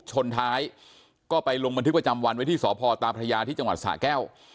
ชนท้ายก็ไปลงบันทึกประจำวันไว้ที่สพตาพระยาที่จังหวัดสะแก้ว